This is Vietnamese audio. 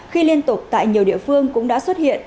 khi liên tục tại nhiều địa phương cũng đã xuất hiện